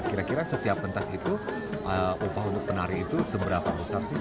kira kira setiap pentas itu upah untuk penari itu seberapa besar sih